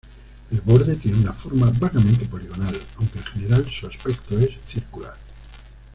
El borde tiene una forma vagamente poligonal, aunque en general sus aspecto es circular.